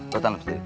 lu tanem sendiri